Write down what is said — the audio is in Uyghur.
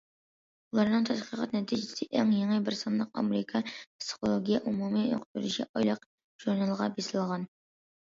ئۇلارنىڭ تەتقىقات نەتىجىسى ئەڭ يېڭى بىر سانلىق ئامېرىكا« پىسخولوگىيە ئومۇمىي ئۇقتۇرۇشى» ئايلىق ژۇرنىلىغا بېسىلغان.